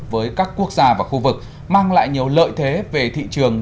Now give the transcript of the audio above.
với các quốc gia và khu vực mang lại nhiều lợi thế về thị trường